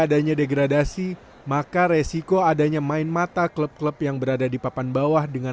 adanya degradasi maka resiko adanya main mata klub klub yang berada di papan bawah dengan